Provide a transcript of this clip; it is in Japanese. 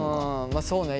まあそうね